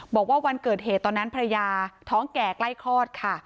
บอกว่าวันเกิดเหตุตอนนั้นภรรยาท้องแก่ใกล้คลอดค่ะ